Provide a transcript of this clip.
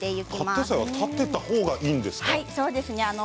カット野菜は立てた方がいいんですか？